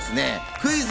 『クイズ！